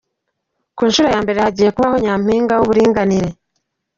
Ku nshuro ya mbere hagiye kubaho "Nyampinga w’Uburinganire"